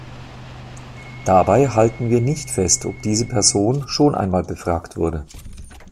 Dabei halten wir nicht fest, ob diese Person schon einmal befragt wurde.